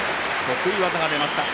得意技が出ました。